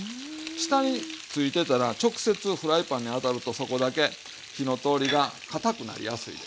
下についてたら直接フライパンに当たるとそこだけ火の通りがかたくなりやすいでしょ。